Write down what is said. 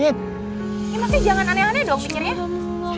ini maksudnya jangan aneh aneh dong pikirnya